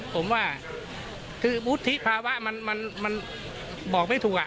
ผมว่าคือวุฒิภาวะมันบอกไม่ถูก